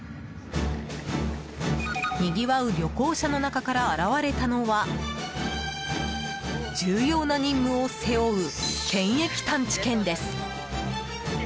にぎわう旅行者の中から現れたのは重要な任務を背負う検疫探知犬です。